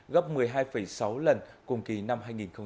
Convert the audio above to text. gấp một mươi hai sáu lần cùng kỳ năm hai nghìn hai mươi hai